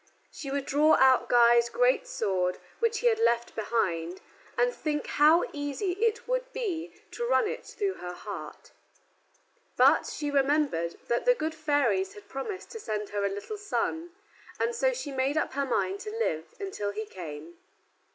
She would draw out Guy's great sword, which he had left behind, and think how easy it would be to run it through her heart. But she remembered that the good fairies had promised to send her a little son, and so she made up her mind to live until he came.